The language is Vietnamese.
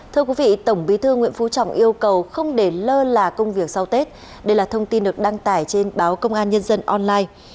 thưa quý vị tổng bí thư nguyễn phú trọng yêu cầu không để lơ là công việc sau tết đây là thông tin được đăng tải trên báo công an nhân dân online